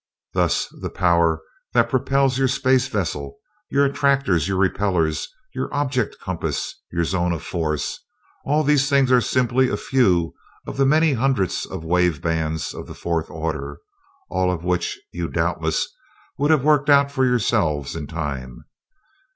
Thus, the power that propels your space vessel, your attractors, your repellers, your object compass, your zone of force all these things are simply a few of the many hundreds of wave bands of the fourth order, all of which you doubtless would have worked out for yourselves in time.